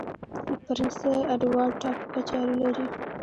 پرنس اډوارډ ټاپو کچالو لري.